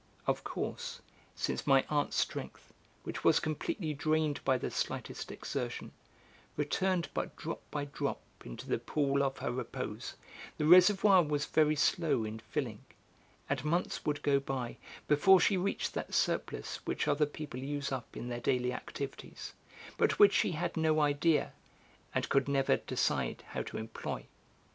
Of course, since my aunt's strength, which was completely drained by the slightest exertion, returned but drop by drop into the pool of her repose, the reservoir was very slow in filling, and months would go by before she reached that surplus which other people use up in their daily activities, but which she had no idea and could never decide how to employ.